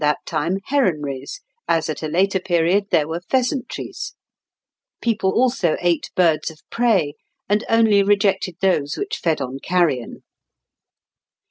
There were at that time heronries, as at a later period there were pheasantries. People also ate birds of prey, and only rejected those which fed on carrion.